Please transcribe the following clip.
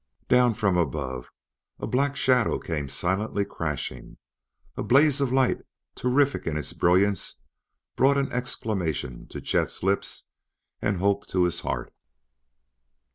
Down from above, a black shadow came silently crashing; a blaze of light terrific in its brilliance brought an exclamation to Chet's lips and hope to his heart.